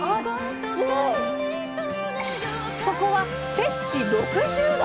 そこは摂氏６０℃！